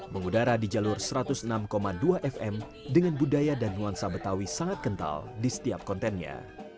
mengudara di jalur satu ratus enam dua fm dengan budaya dan nuansa betawi sangat kental di setiap kontennya